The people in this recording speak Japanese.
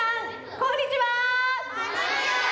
こんにちは！